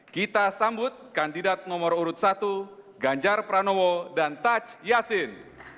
kita sambut kandidat nomor urut satu ganjar pranowo dan taj yassin